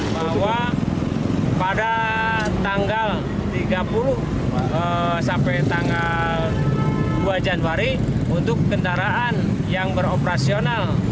bahwa pada tanggal tiga puluh sampai tanggal dua januari untuk kendaraan yang beroperasional